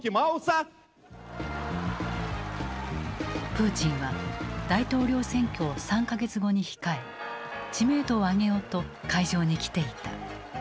プーチンは大統領選挙を３か月後に控え知名度を上げようと会場に来ていた。